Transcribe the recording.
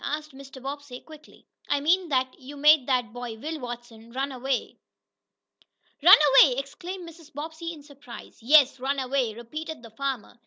asked Mr. Bobbsey quickly. "I mean that you made that boy, Will Watson, run away." "Run away!" exclaimed Mrs. Bobbsey, in surprise. "Yes, run away," repeated the farmer.